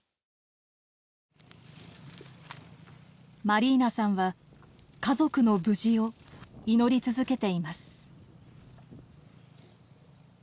マリーナさんは家族の無事を祈り続けています。